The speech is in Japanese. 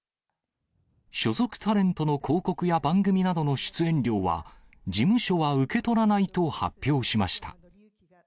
所属タレントの広告や番組などの出演料は、事務所は受け取らないと発表しました。